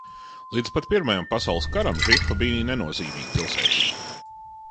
Līdz pat Pirmajam pasaules karam Žifa bija nenozīmīga pilsētiņa.